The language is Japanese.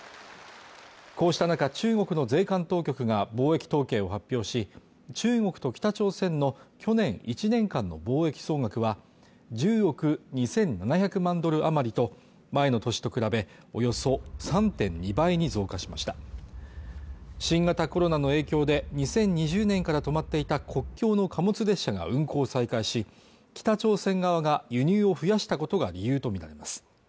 こうした中中国の税関当局が貿易統計を発表し中国と北朝鮮の去年１年間の貿易総額は１０億２７００万ドル余りと前の年と比べおよそ３．２倍に増加しました新型コロナの影響で２０２０年から止まっていた国境の貨物列車が運行を再開し北朝鮮側が輸入を増やしたことが理由と見られます